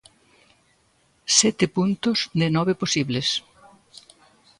Sete puntos de nove posibles.